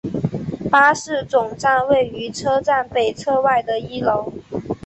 巴士总站位于车站北侧外的一楼。